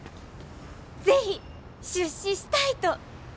是非出資したいと！